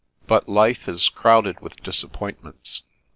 But life is crowded with disappointments.